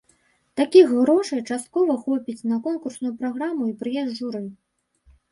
Такіх грошай часткова хопіць на конкурсную праграму і прыезд журы.